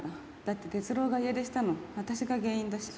だって哲郎が家出したの私が原因だし。